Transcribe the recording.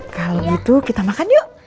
kalau gitu kita makan yuk